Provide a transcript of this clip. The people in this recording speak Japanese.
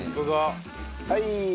はい。